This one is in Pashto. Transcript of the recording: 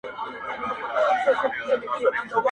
توپونو وراني کړلې خوني د قلا برجونه،